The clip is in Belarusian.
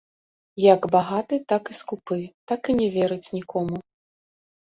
Як багаты, так і скупы, так і не верыць нікому.